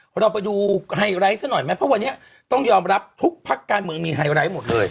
เราไปดูไฮไลท์ซะหน่อยไหมเพราะวันนี้ต้องยอมรับทุกพักการเมืองมีไฮไลท์หมดเลย